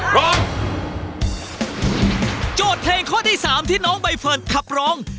โจทย์เพลงข้อที่สามที่น้องใบเฟิร์นขับร้อง